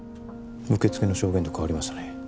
受付の証言と変わりましたね